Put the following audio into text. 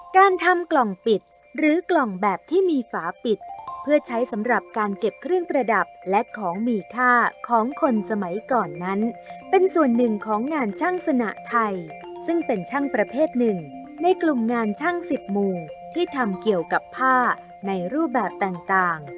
การทำกล่องปิดหรือกล่องแบบที่มีฝาปิดเพื่อใช้สำหรับการเก็บเครื่องประดับและของมีค่าของคนสมัยก่อนนั้นเป็นส่วนหนึ่งของงานช่างสนะไทยซึ่งเป็นช่างประเภทหนึ่งในกลุ่มงานช่างสิบหมู่ที่ทำเกี่ยวกับผ้าในรูปแบบต่าง